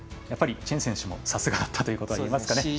やっぱりチェン選手もさすがだったということになりますね。